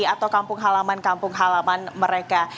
atau kampung halaman kampung halaman mereka